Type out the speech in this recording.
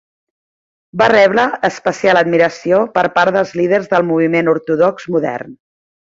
Va rebre especial admiració per part del líders del moviment ortodox modern.